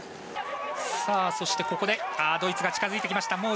そして、ここでドイツが近づいてきました。